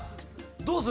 どうする？